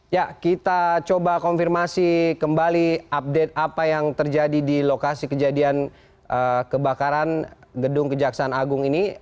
ya kita coba konfirmasi kembali update apa yang terjadi di lokasi kejadian kebakaran gedung kejaksaan agung ini